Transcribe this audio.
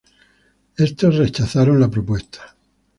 Estos rechazaron la propuesta.